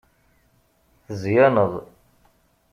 Tezyaneḍ.